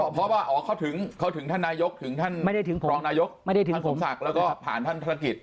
เพราะว่าอ๋อเขาถึงท่านนายกถึงท่านรองนายกท่านสมศักดิ์แล้วก็ผ่านท่านธรกิจ